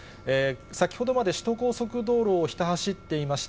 先ほどまで首都高速道路をひた走っていました